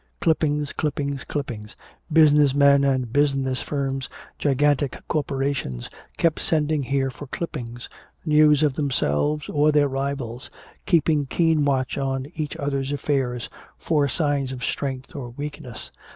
Clippings, clippings, clippings. Business men and business firms, gigantic corporations, kept sending here for clippings, news of themselves or their rivals, keeping keen watch on each other's affairs for signs of strength or weakness.